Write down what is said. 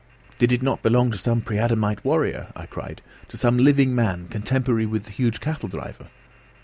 "Did it not belong to some pre adamite warrior?" I cried, "to some living man, contemporary with the huge cattle driver?